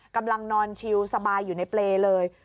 กำลังนอนชิวสบายอยู่ในเปรย์เลย